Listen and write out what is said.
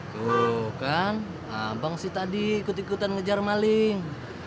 tuh kan abang si tadi ikut ikutan ngejar maling